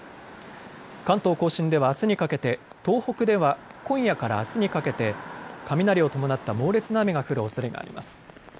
関東甲信ではあすにかけて東北では今夜からあすにかけて雷を伴った猛烈な雨が降るおそれがあります。